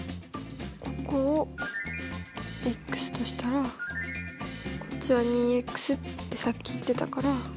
ここをとしたらこっちは２ってさっき言ってたから。